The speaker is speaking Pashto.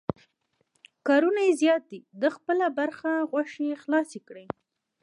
کارونه یې زیات دي، ده خپله برخه غوښې خلاصې کړې.